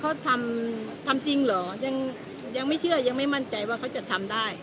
เขาทำทำจริงเหรอยังยังไม่เชื่อยังไม่มั่นใจว่าเขาจะทำได้